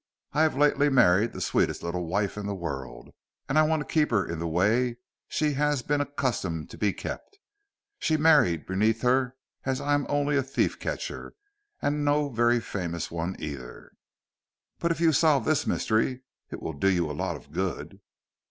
I have lately married the sweetest little wife in the world, and I want to keep her in the way she has been accustomed to be kept. She married beneath her, as I'm only a thief catcher, and no very famous one either." "But if you solve this mystery it will do you a lot of good."